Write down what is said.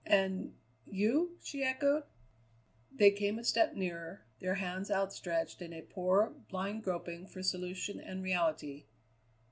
"And you?" she echoed. They came a step nearer, their hands outstretched in a poor, blind groping for solution and reality.